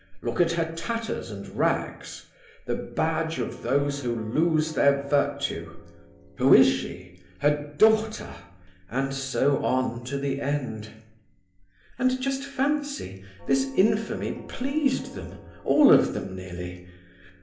Look at her tatters and rags—the badge of those who lose their virtue. Who is she? her daughter!' and so on to the end. "And just fancy, this infamy pleased them, all of them, nearly.